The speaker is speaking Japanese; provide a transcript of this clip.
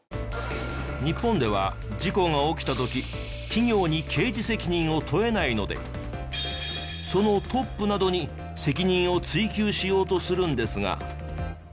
日本では事故が起きた時企業に刑事責任を問えないのでそのトップなどに責任を追及しようとするんですが。